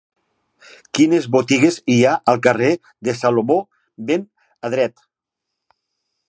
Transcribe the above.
Quines botigues hi ha al carrer de Salomó ben Adret